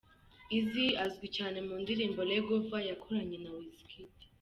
Eazi azwi cyane mu ndirimbo ‘Leg Over’ yakoranye na Wizkid.